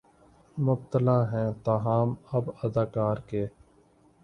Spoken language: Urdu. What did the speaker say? مبتلا ہیں تاہم اب اداکار کے